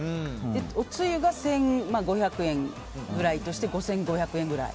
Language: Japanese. おつゆが１５００円ぐらいとして５５００円くらい。